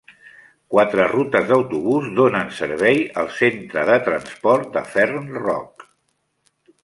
Quatre rutes d'autobús donen servei al centre de transport de Fern Rock.